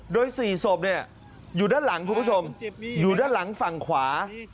โดย๔ศพเนี่ยอยู่ด้านหลังคุณผู้ชมอยู่ด้านหลังฝั่งขวา